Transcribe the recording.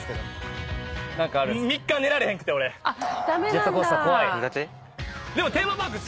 ジェットコースター怖い？